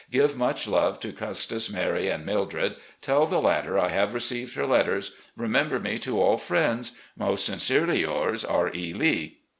Give much love to Custis, Mary, and Mildred. Tell the latter I have received her letters. Remember me to all friends. "Most sincerely yours, R. E. Lee.